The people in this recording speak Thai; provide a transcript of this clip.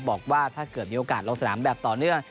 บอกว่าถ้าเกิดมีโอกาสลงสนามแบบต่อเนื่อง